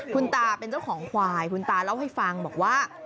คุณตาเป็นเจ้าของควายคุณตาเล่าให้ฟังบอกว่า